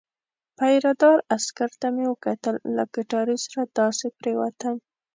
پیره دار عسکر ته مې وکتل، له کټارې سره داسې پرېوتم.